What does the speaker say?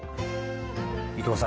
伊藤さん